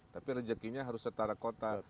tapi rezekinya harus setara kota